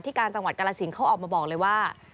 การจังหวัดกรสินเขาออกมาบอกเลยว่า